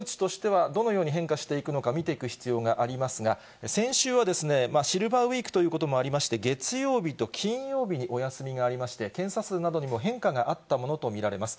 今後、全数把握の発生届の対象が限定されるということで、数値としてはどのように変化していくのか見ていく必要がありますが、先週はシルバーウィークということもありまして、月曜日と金曜日にお休みがありまして、検査数などにも変化があったものと見られます。